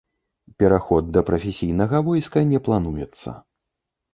Пераход да прафесійнага войска не плануецца.